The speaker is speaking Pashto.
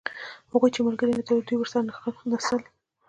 هغوی چې ملګري یې نه درلودل دوی ورسره نڅل.